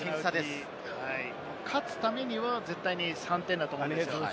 勝つためには絶対に３点だと思うんです。